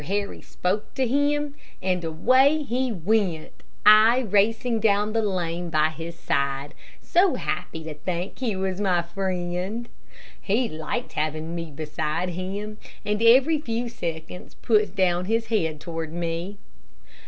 Harry spoke to him and away he went, I racing down the lane by his side, so happy to think he was my friend. He liked having me beside him, and every few seconds put down his head toward me.